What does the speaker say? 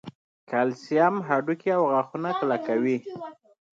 کلسیم هډوکي او غاښونه کلکوي